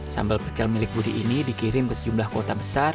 sambal pecel milik budi ini dikirim ke sejumlah kota besar